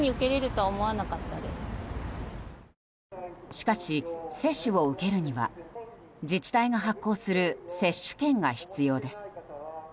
しかし、接種を受けるには自治体が発行する接種券が必要です。